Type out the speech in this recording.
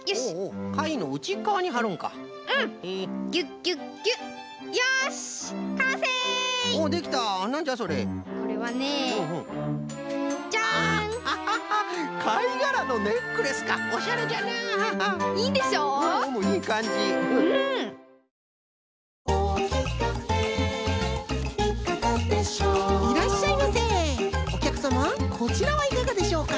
おきゃくさまこちらはいかがでしょうか？